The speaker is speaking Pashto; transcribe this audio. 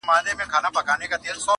o په ښو پردي خپلېږي٫